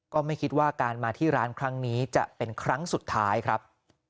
ก็ไม่คิดว่าการมาที่ร้านครั้งนี้จะเป็นครั้งสุดท้ายครับ